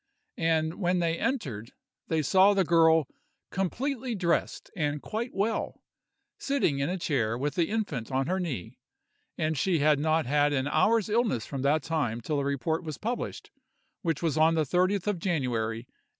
and when they entered, they saw the girl completely dressed and quite well, sitting in a chair with the infant on her knee, and she had not had an hour's illness from that time till the report was published, which was on the 30th of January, 1841.